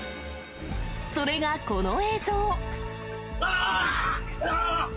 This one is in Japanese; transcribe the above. それがこの映像。